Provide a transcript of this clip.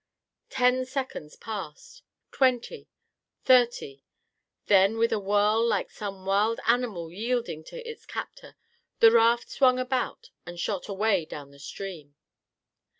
Ten seconds passed, twenty, thirty, then with a whirl like some wild animal yielding to its captor, the raft swung about and shot away down stream.